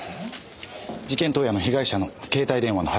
事件当夜の被害者の携帯電話の発信記録です。